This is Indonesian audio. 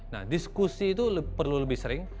nah diskusi itu perlu lebih sering